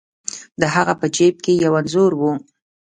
د هغه په جیب کې یو انځور و.